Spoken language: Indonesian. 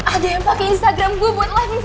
ada yang pake instagram gue buat livin si pangeran